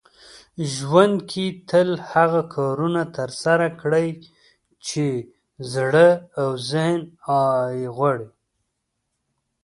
ژوند کې تل هغه کارونه ترسره کړئ چې زړه او ذهن يې غواړي .